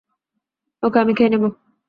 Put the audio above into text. ওকে আমি খেয়ে নেব।